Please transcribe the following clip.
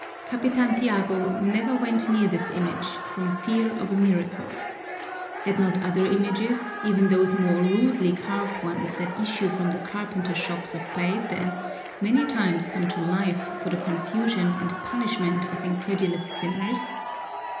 Capitan Tiago never went near this image from fear of a miracle. Had not other images, even those more rudely carved ones that issue from the carpenter shops of Paete, many times come to life for the confusion and punishment of incredulous sinners?